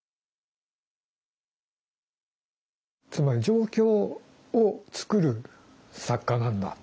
つまり状況を作る作家なんだ。